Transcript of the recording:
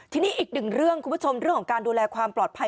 ทีนี้อีกหนึ่งเรื่องคุณผู้ชมเรื่องของการดูแลความปลอดภัย